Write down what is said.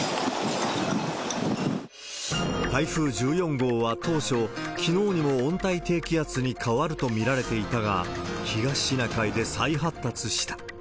台風１４号は当初、きのうにも温帯低気圧に変わると見られていたが、東シナ海で再発達した。